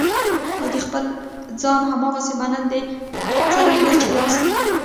او د خپل ځان هماغسې منل دي څرنګه چې یاستئ.